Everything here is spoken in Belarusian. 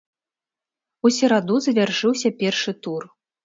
У сераду завяршыўся першы тур.